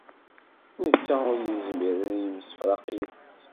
Netta ur yezmir ad yemsefraq yid-s.